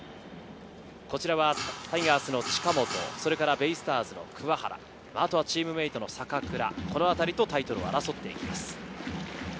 こちらタイガースの近本、ベイスターズの桑原、あとはチームメートの坂倉、この辺りとタイトルを争っています。